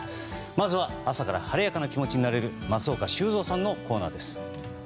まずは朝から晴れやかな気持ちになれる松岡修造さんのコーナーです。